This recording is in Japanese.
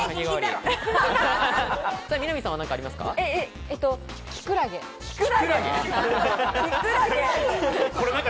みなみさんは何かありますか？